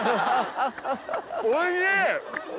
おいしい！